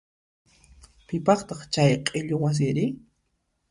Piqpataq chay q'illu wasiri?